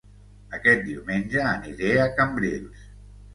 Aquest diumenge aniré a Cambrils